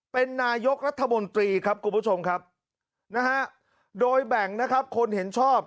เป็นนายกรัฐมนตรีครับคุณผู้ชมครับนะฮะโดยแบ่งนะครับคนเห็นชอบ